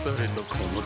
この